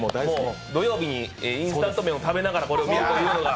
土曜日にインスタント麺を食べながらこれを見るというのが。